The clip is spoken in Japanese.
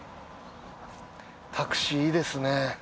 タクシーいいですね。